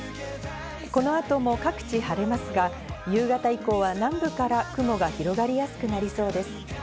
この後も各地晴れますが、夕方以降は南部から雲が広がりやすくなりそうです。